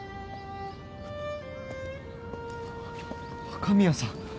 若宮さん。